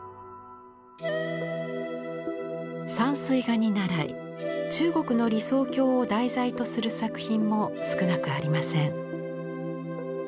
山水画にならい中国の理想郷を題材とする作品も少なくありません。